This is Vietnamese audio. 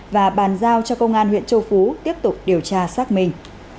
và bàn giao cho công an huyện châu phú tiếp tục điều tra xác minh